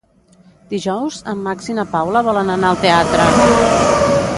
Dijous en Max i na Paula volen anar al teatre.